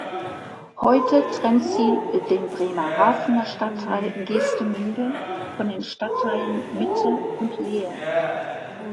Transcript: Heute trennt sie den Bremerhavener Stadtteil Geestemünde von den Stadtteilen Mitte und Lehe.